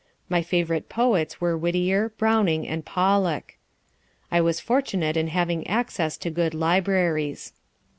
My favorite poets were Whittier, Browning and Pollok. I was fortunate in having access to good libraries.